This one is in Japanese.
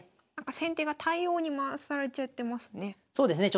先手が対応に回されちゃってますね。